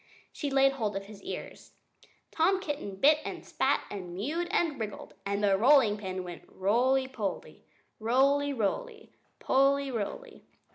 She laid hold of his ears. Tom Kitten bit and spit, and mewed and wriggled; and the rolling pin went roly poly, roly; roly poly, roly.